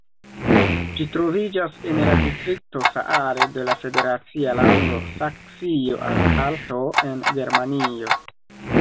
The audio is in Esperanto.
Ĝi troviĝas en la distrikto Saale de la federacia lando Saksio-Anhalto en Germanio.